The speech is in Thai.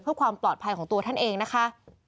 เพื่อความปลอดภัยของตัวท่านเองนะคะ